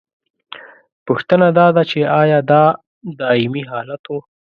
پوښتنه دا ده چې ایا دا دائمي حالت و؟